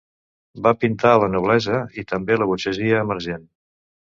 Va pintar a la noblesa, i també la burgesia emergent.